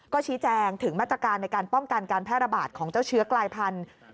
ก็ชี้แจงถึงมาตรการในการป้องกันการแพร่ระบาดของเจ้าเชื้อกลายพันธุ์